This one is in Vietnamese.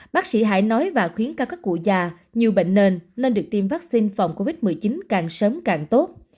bác sĩ hải nói và khuyến các các cụ già nhiều bệnh nên nên được tiêm vaccine phòng covid một mươi chín càng sớm càng nặng